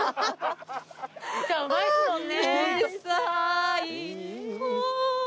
歌うまいですもんね。